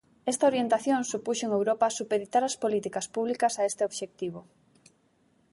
Esta orientación supuxo en Europa supeditar as políticas públicas a este obxectivo.